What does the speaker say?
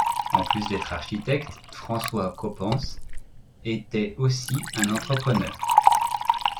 En plus d'être architecte, François Coppens était aussi un entrepreneur.